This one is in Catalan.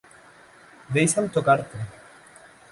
Deixa'm tocar-te!